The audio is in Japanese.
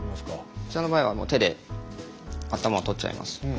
こちらの場合はもう手で頭を取っちゃいます。